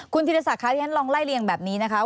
คุณธินศักดิ์คะอย่างนั้นลองไล่เลี่ยงแบบนี้นะคะ